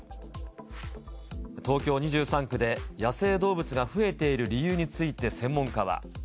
東京２３区で野生動物が増えている理由について専門家は。